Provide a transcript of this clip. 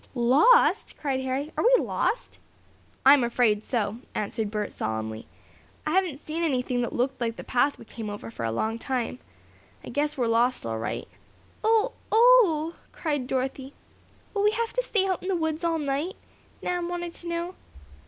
"Lost!" cried Harry. "Are we lost?" "I'm afraid so," answered Bert, solemnly. "I haven't seen anything that looked like the path we came over for a long time. I guess we're lost, all right." "Oh! Oh!" cried Dorothy. "Will we have to stay out in the woods all night?" Nan wanted to know.